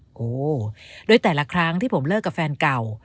โอ้โหโดยแต่ละครั้งที่ผมเลิกกับแฟนเก่า